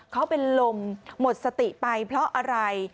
เขาเป็นลมหมดสติไปเพราะอะไร